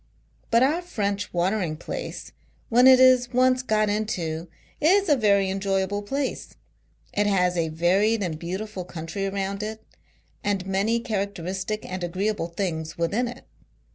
But, our French watering place when it is , once got into, is a very enjoyable place. It VOL. X. 268 HOUSEHOLD WORDS. fGoncluctefi by has a varied and beautiful country around i t and many characteristic and agreeable things within it.